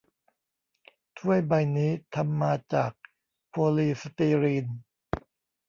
ถ้วยใบนี้ทำมาจากโพลีสตีรีน